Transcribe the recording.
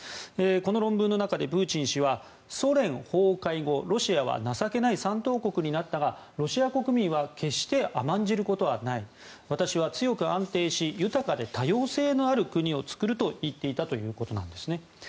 この論文の中でプーチン氏はソ連崩壊後、ロシアは情けない３等国になったがロシア国民は決して甘んじることはない私は強く安定し豊かで多様性のある国を作ると言っていたんですね。